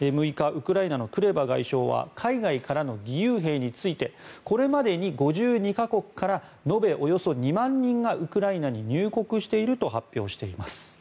６日、ウクライナのクレバ外相は海外からの義勇兵についてこれまでに５２か国から延べおよそ２万人がウクライナに入国していると発表しています。